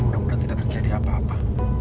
mudah mudahan tidak terjadi apa apa